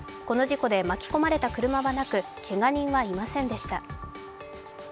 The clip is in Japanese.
この事故で巻き込まれた車はなく、けが人はいませんでした。